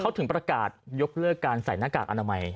เขาถึงประกาศยกเลิกการใส่หน้ากากอนามัย